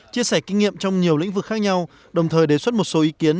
chia sẻ kinh nghiệm trong nhiều lĩnh vực khác nhau đồng thời đề xuất một số ý kiến